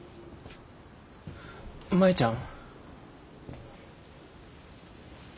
舞ちゃん。